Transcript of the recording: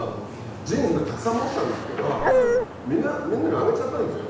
ジーンズたくさん持ってたんですけどみんなにあげちゃったんですよ。